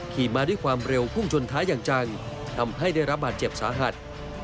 ขี่มาด้วยความเร็วพุ่งชนท้ายอย่างจังทำให้ได้รับบาดเจ็บสาหัส